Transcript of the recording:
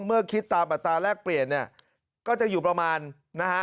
เมื่อคิดตามอัตราแรกเปลี่ยนเนี่ยก็จะอยู่ประมาณนะฮะ